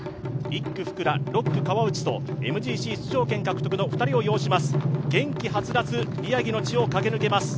１区・福田、６区・川内とＭＧＣ出場権獲得の２人がいます。